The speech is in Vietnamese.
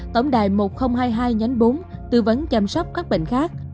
tổng đài một nghìn hai mươi hai nhánh bốn tư vấn chăm sóc các bệnh khác